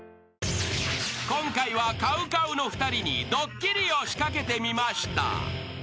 ［今回はＣＯＷＣＯＷの２人にドッキリを仕掛けてみました］